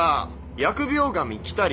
「疫病神来たり。